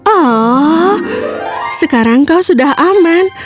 oh sekarang kau sudah aman